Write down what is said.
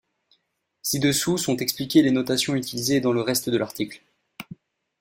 Ci-dessous sont expliquées les notations utilisées dans le reste de l'article.